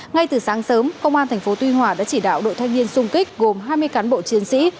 ngay từ sáng sớm công an thành phố tuy hòa đã chỉ đạo đội thanh niên xung kích gồm hai mươi cán bộ chiến sĩ